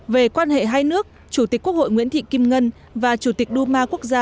về quan hệ hai nước chủ tịch quốc hội nguyễn thị kim ngân và chủ tịch đu ma quốc gia